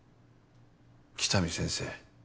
喜多見先生